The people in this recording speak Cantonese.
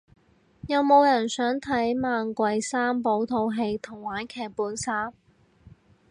有冇人想睇猛鬼三寶套戲同玩劇本殺